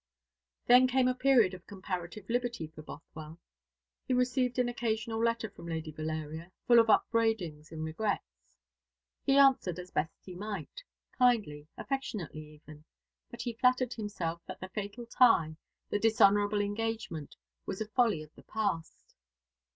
Then came a period of comparative liberty for Bothwell. He received an occasional letter from Lady Valeria, full of upbraidings and regrets. He answered as best he might kindly, affectionately even; but he flattered himself that the fatal tie, the dishonourable engagement, was a folly of the past.